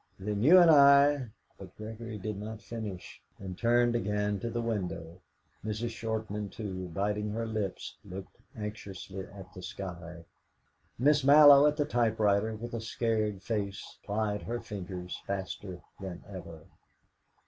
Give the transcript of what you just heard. "Then you and I " But Gregory did not finish, and turned again to the window. Mrs. Shortman, too, biting her lips, looked anxiously at the sky. Miss Mallow at the typewriter, with a scared face, plied her fingers faster than ever.